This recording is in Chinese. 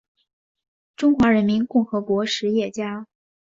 中华人民共和国实业家。